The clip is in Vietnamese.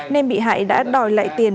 nên bị hại đã đòi lại tiền